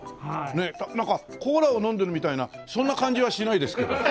ねえなんかコーラを飲んでるみたいなそんな感じはしないですけど。